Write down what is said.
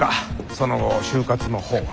その後就活のほうは。